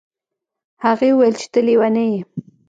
هغې وویل چې ته لیونی یې.